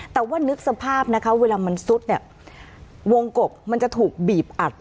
แต่ว่านึกสภาพนะคะเวลามันซุดเนี่ยวงกบมันจะถูกบีบอัด